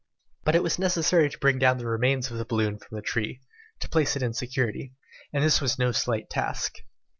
But it was necessary to bring down the remains of the balloon from the tree, to place it in security, and this was no slight task.